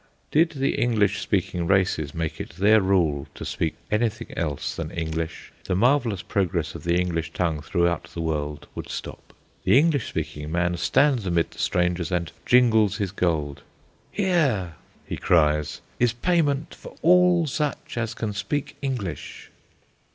Did the English speaking races make it their rule to speak anything else than English, the marvellous progress of the English tongue throughout the world would stop. The English speaking man stands amid the strangers and jingles his gold. "Here," cries, "is payment for all such as can speak English."